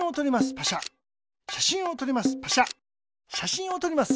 しゃしんをとります。